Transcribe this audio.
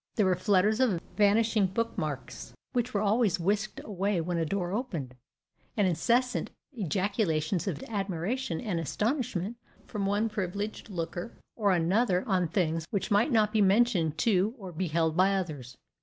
There were flutters of vanishing book marks, which were always whisked away when a door opened; and incessant ejaculations of admiration and astonishment from one privileged looker or another on things which might not be mentioned to or beheld by others.